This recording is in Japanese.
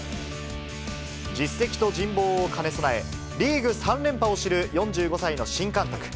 実績と人望を兼ね備え、リーグ３連覇を知る４５歳の新監督。